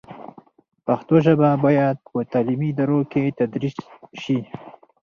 پښتو ژبه باید په تعلیمي ادارو کې تدریس شي.